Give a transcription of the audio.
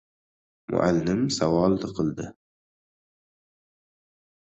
Muallim savol qildi: